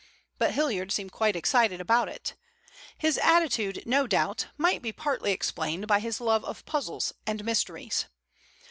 But Hilliard seemed quite excited about it. His attitude, no doubt, might be partly explained by his love of puzzles and mysteries.